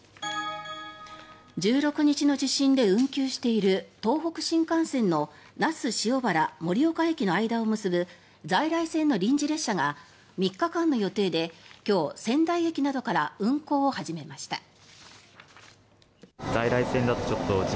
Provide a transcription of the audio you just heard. １６日の地震で運休している東北新幹線の那須塩原盛岡の間を結ぶ在来線の臨時列車が３日間の予定で今日、仙台駅などから運行を始めました。